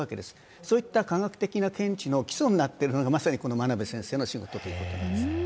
そういった科学的な見地の基礎になっているのがまさに真鍋先生の仕事となります。